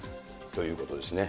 ということですね。